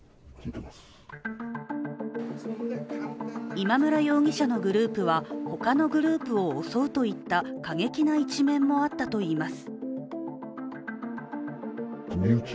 今村容疑者のグループは、他のグループを襲うといった過激な一面もあったといいます。